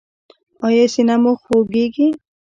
ایا سینه مو خوږیږي؟